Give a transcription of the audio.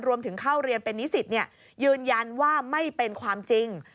รวมถึงเข้าเรียนเป็นนิสิตยืนยันว่าไม่เป็นความจริง